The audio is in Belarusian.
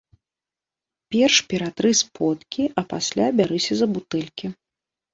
Перш ператры сподкі, а пасля бярыся за бутэлькі.